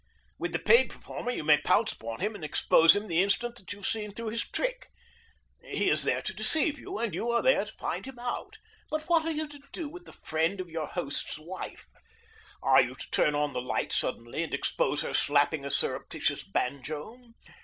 With the paid performer you may pounce upon him and expose him the instant that you have seen through his trick. He is there to deceive you, and you are there to find him out. But what are you to do with the friend of your host's wife? Are you to turn on a light suddenly and expose her slapping a surreptitious banjo?